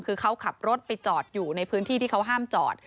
คือเขาขับรถไปจอดอยู่ในพื้นที่ที่เขาห้ามจอด